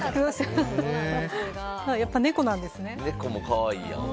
やっぱ猫なんですね。